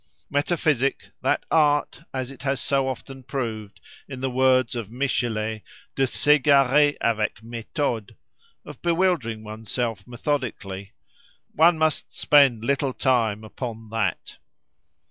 Metaphysic—that art, as it has so often proved, in the words of Michelet, de s'égarer avec méthode, of bewildering oneself methodically:—one must spend little time upon that!